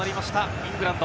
イングランド。